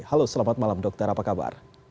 halo selamat malam dokter apa kabar